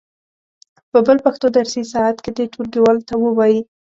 په بل پښتو درسي ساعت کې دې ټولګیوالو ته و وایي.